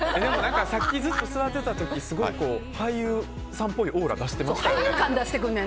さっきずっと座ってた時俳優さんっぽいオーラ出してましたよね。